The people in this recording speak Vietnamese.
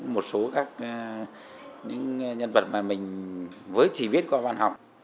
một số các những nhân vật mà mình với chỉ biết qua văn học